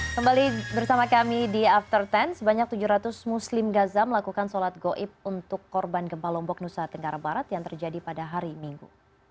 kembali bersama kami di after sepuluh sebanyak tujuh ratus muslim gaza melakukan sholat goib untuk korban gempa lombok nusa tenggara barat yang terjadi pada hari minggu